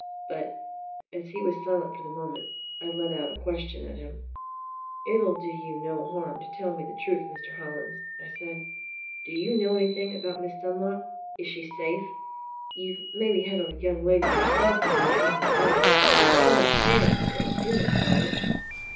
But, as he was silent for the moment, I let out a question at him. "It'll do you no harm to tell me the truth, Mr. Hollins," I said. "Do you know anything about Miss Dunlop? Is she safe? You've maybe had a young lady yourself one time or another you'll understand what I'm feeling about it?"